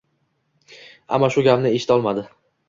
Ammo shu gapni eshitolmadi.